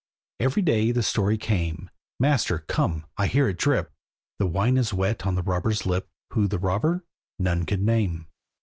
Every day the story came, "Master, come! I hear it drip!" The wine is wet on the robber's lip, Who the robber, none could name.